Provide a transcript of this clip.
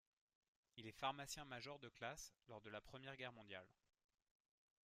Il est pharmacien-major de classe lors de la Première Guerre mondiale.